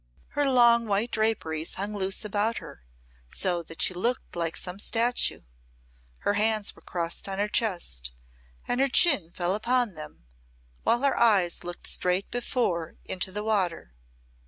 Her long white draperies hung loose about her, so that she looked like some statue; her hands were crossed on her chest and her chin fell upon them, while her eyes looked straight before into the water.